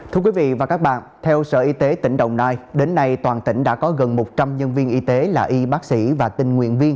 thưa quý vị và các bạn theo sở y tế tỉnh đồng nai đến nay toàn tỉnh đã có gần một trăm linh nhân viên y tế